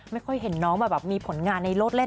ไม่ค่อยเห็นน้องแบบมีผลงานในโลดเล่น